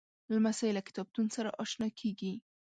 لمسی له کتابتون سره اشنا کېږي.